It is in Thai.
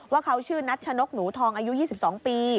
ว่าเขาชื่อนัชนกหนูทองอายุ๒๒ปี